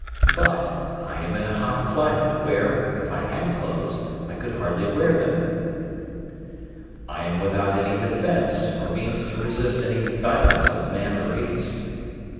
But I am in a hot climate, where, if I had clothes, I could hardly wear them. I am without any defence, or means to resist any violence of man or beast.